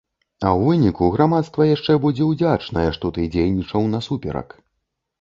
А ў выніку грамадства яшчэ будзе ўдзячнае, што ты дзейнічаў насуперак.